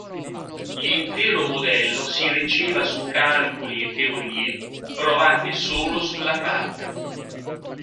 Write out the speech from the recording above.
L'intero modello si reggeva su calcoli e teorie provate solo sulla carta.